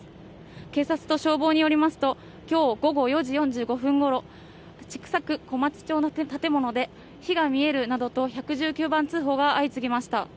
警察と消防によりますと、きょう午後４時４５分ごろ、千種区小松町の建物で、火が見えるなどと１１９番通報が相次ぎました。